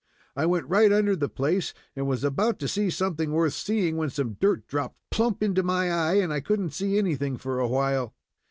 I went right under the place, and was about to see something worth seeing, when some dirt dropped plump into my eye, and I couldn't see anything for a while.